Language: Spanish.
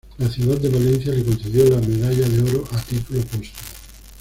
La ciudad de Valencia le concedió la "Medalla de Oro" a título póstumo.